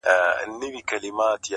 که زه مړ سوم لېري یو نسي زما مړی.